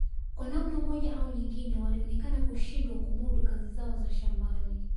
kwa namna moja au nyingine walionekana kushindwa kumudu kazi zao za shambani